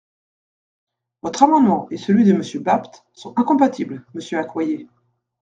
Votre amendement et celui de Monsieur Bapt sont incompatibles, monsieur Accoyer...